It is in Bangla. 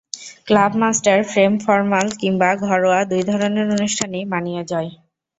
ক্লাব মাস্টার ফ্রেম ফরমাল কিংবা ঘরোয়া দুই ধরনের অনুষ্ঠানেই মানিয়ে যায়।